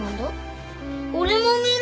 俺も見る！